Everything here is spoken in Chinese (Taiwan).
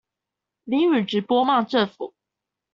淋雨直播罵政府